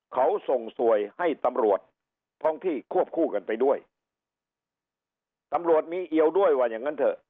เขาส่งสวยให้ตำรวจท้องที่ควบคู่กันไปด้วยตำรวจมีเอียวด้วยว่าอย่างงั้นเถอะ